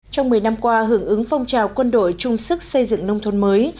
trong một mươi năm qua hưởng ứng phong trào quân đội trung sức xây dựng nông thôn mới